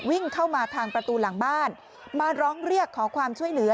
วิ่งเข้ามาทางประตูหลังบ้านมาร้องเรียกขอความช่วยเหลือ